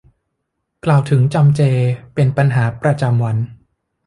กล่าวถึงจำเจเป็นปัญหาประจำวัน